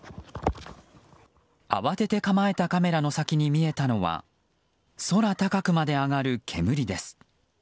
慌てて構えたカメラの先に見えたのは空高くまで上がる煙です。